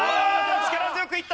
力強くいった！